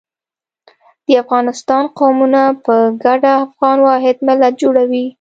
د افغانستان قومونه په ګډه افغان واحد ملت جوړوي.